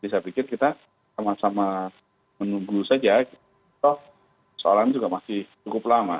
jadi saya pikir kita sama sama menunggu saja soalan ini juga masih cukup lama